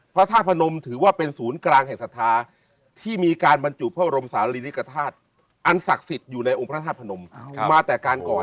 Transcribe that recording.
พระธาตุพนมถือว่าเป็นศูนย์กลางแห่งศรัทธาที่มีการบรรจุพระบรมศาลีริกฐาตุอันศักดิ์สิทธิ์อยู่ในองค์พระธาตุพนมมาแต่การก่อน